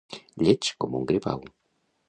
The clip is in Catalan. Lleig com un gripau.